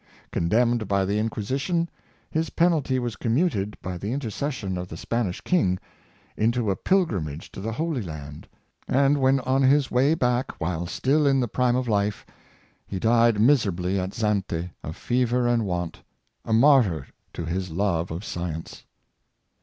Condemned by the In quisition, his penalty was commuted, by the interces sion of the Spanish king, into a pilgrimage to the Holy Land; and when on his way back, while still in the prime of life, he died miserably at Zante, of fever and want — a martyr to his love of science.